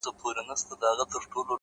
ستا د لېمو د نظر سيوري ته يې سر ټيټ کړی’